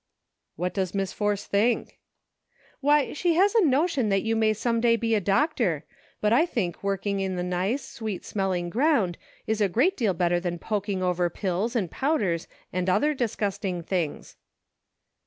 " What does Miss Force think ?"" Why, she has a notion that you may some day be a doctor ; but I think working in the nice, "ORDERS TO MOVE. 1/5 sweet smelling ground is a great deal better than poking over pills, and powders, and other disgust ing things."